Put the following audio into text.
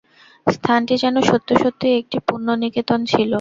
স্থানটি যেন সত্য সত্যই একটি পুণ্যনিকেতন ছিল।